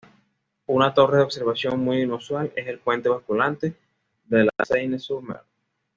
Una torre de observación muy inusual es el puente basculante de la Seyne-sur-Mer.